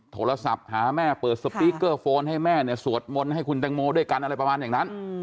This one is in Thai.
โทรศัพท์หาแม่เปิดสปีกเกอร์โฟนให้แม่เนี่ยสวดมนต์ให้คุณแตงโมด้วยกันอะไรประมาณอย่างนั้น